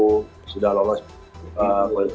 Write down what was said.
hmm ini mah bukan perintah